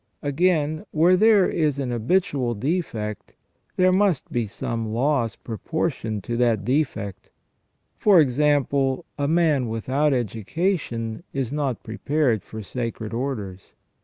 Again, where there is an habitual defect, there must be some loss proportioned to that defect. For example, a man without education is not prepared for sacred orders.